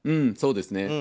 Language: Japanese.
そうですね。